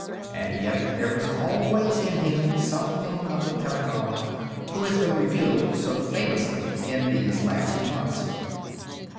And yet there was always in him something of the pedagogue who has been revealed so famously in these last months.